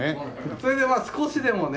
それで少しでもね